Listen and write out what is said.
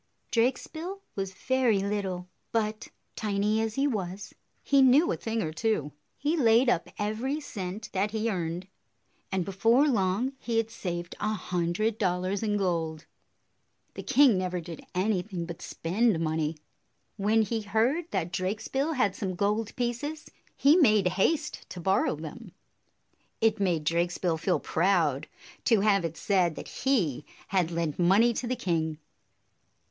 Drakesbill was very little, but, tiny as he was, he knew a thing or two. He laid up every cent that he earned ; and before long, he had saved a hundred dollars in gold. The king never did anything but spend money. When he heard that Drakesbill had some gold pieces, he made haste to borrow them. It made Drakesbill feel proud to have it said that he had lent money to the king.